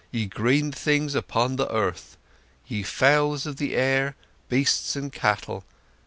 ye Green Things upon the Earth ... ye Fowls of the Air ... Beasts and Cattle